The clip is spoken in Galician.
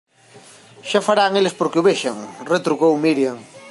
Xa farán eles por que o vexas −retrucou Miriam−.